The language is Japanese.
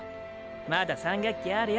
まだ３学期あるよ。